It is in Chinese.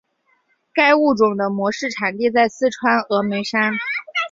该物种的模式产地在四川峨眉山。